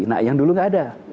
nah yang dulu nggak ada